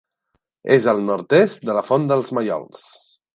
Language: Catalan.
És al nord-est de la Font dels Mallols.